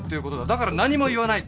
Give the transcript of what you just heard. だから何も言わない。